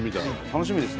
楽しみです。